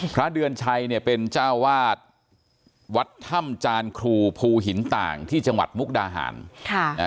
พระเดือนชัยเนี่ยเป็นเจ้าวาดวัดถ้ำจานครูภูหินต่างที่จังหวัดมุกดาหารค่ะนะฮะ